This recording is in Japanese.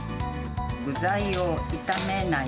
具材を炒めない。